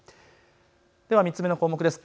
では３つ目の項目です。